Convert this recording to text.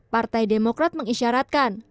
partai demokrat mengisyaratkan